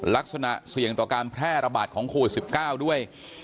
ลักษณะเสี่ยงต่อการแพร่ระบาดของโควิด๑๙ด้วย